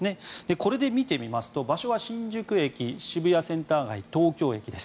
これで見てみますと場所は新宿駅、渋谷センター街東京駅です。